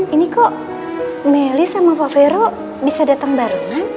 ini kok melly sama pak vero bisa datang barengan